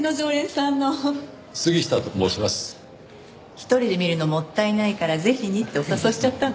１人で見るのもったいないからぜひにってお誘いしちゃったの。